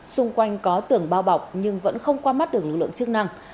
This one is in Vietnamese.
xung quanh có tưởng bao bọc nhưng vẫn không qua mắt được lực lượng chức năng